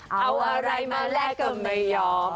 เอาอะไรมาแลกก็ไม่ยอม